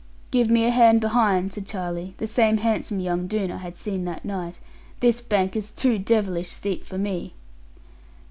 'Give me a hand behind,' said Charlie, the same handsome young Doone I had seen that night; 'this bank is too devilish steep for me.'